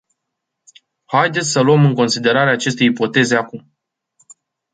Haideți să luăm în considerare aceste ipoteze acum.